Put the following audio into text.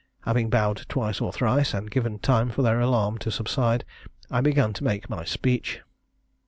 Having bowed twice or thrice, and given time for their alarm to subside, I began to make my speech.